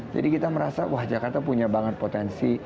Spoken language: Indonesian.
jadi kita merasa wah jakarta punya banget potensi